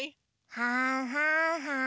はんはんはん。